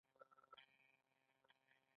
دا د اندېښې بنسټ په وېبپاڼه کې دي.